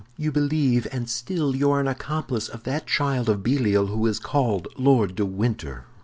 "You believe, and still you are an accomplice of that child of Belial who is called Lord de Winter!